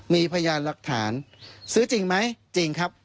มีพยานหลักฐานซื้อจริงไหมจริงครับ